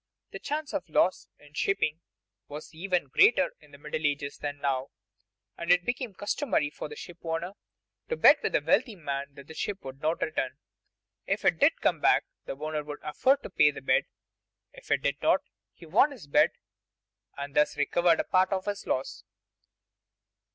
The chance of loss in shipping was even greater in the Middle Ages than now, and it became customary for the ship owner to bet with a wealthy man that the ship would not return. If it did come back, the owner could afford to pay the bet; if it did not, he won his bet and thus recovered a part of his loss.